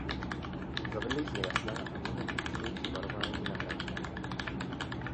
Zavedli jsme jasná a mnohem účinnější varování na hračkách.